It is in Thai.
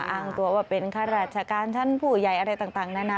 อ้างตัวว่าเป็นฮะรัชกายเสมอผู้ใหญ่อะไรต่างนะคะ